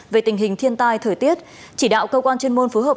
về tình hình thiên tai thời tiết chỉ đạo cơ quan chuyên môn phối hợp